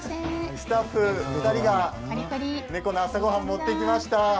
スタッフ２人が猫の朝ごはんを持ってきました。